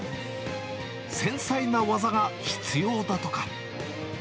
繊細な技が必要だとか。